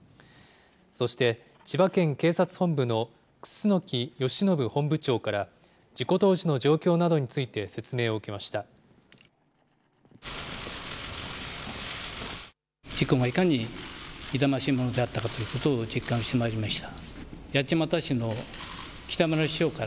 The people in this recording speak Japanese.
そして千葉県警察本部の楠芳伸本部長から、事故当時の状況などについて説明を受けました。